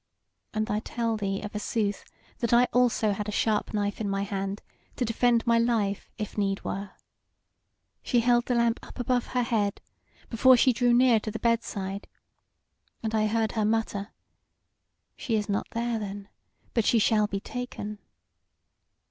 And I tell thee of a sooth that I also had a sharp knife in my hand to defend my life if need were. She held the lamp up above her head before she drew near to the bed side, and I heard her mutter: 'She is not there then! but she shall be taken.'